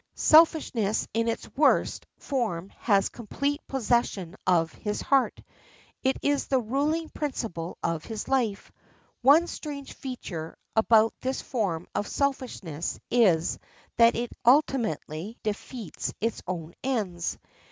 Selfishness in its worst form has complete possession of his heart. It is the ruling principle of his life. One strange feature about this form of selfishness is that it ultimately defeats its own ends.